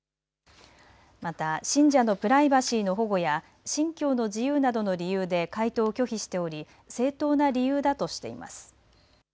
また信者のプライバシーの保護や信教の自由などの理由で回答を拒否しており正当な理由だとしています。